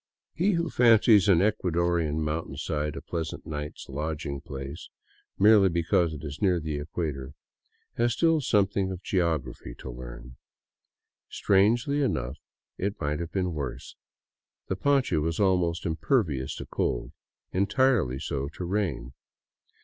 He who fancies an Ecuadorian mountainside a pleasant night's lodg ing place, merely because it is near the equator, has still something of geography to learn. Strangely enough, it might have been worse. The poncho was almost impervious to cold, entirely so to rain.